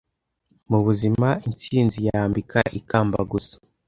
Mubuzima intsinzi yambika ikamba gusa--